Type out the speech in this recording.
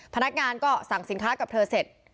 พนักงานก็สั่งสินค้ากับเธอเสร็จ